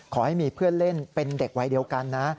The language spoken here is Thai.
ขอให้มีเพื่อนเล่นเป็นเด็กวัยเดียวกันนะ